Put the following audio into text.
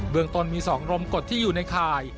เมืองต้นมี๒รมกฎที่อยู่ในข่าย